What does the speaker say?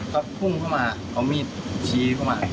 ก็พุ่งเข้ามาเอามีดชี้เข้ามา